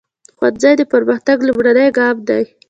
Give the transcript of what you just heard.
ښوونځی د پرمختګ لومړنی ګام دی.